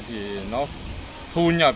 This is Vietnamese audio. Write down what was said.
thì nó thu nhập